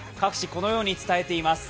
このように伝えています。